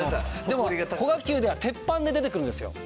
でも古賀久では鉄板で出てくるんですよ。